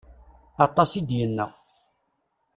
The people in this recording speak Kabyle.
Aṭas i d-yenna.